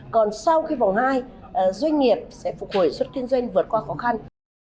còn sau khi vòng hai doanh nghiệp sẽ phục hồi xuất kinh doanh vượt qua khó khăn